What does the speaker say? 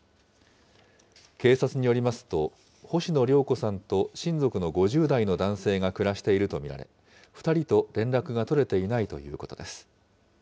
警察によりますと、星野良子さんと親族の５０代の男性が暮らしていると見られ、２人と連絡が取れていないということです。